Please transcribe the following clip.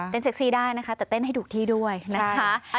เซ็กซี่ได้นะคะแต่เต้นให้ถูกที่ด้วยนะคะ